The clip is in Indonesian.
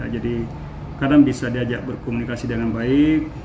jadi kadang bisa diajak berkomunikasi dengan baik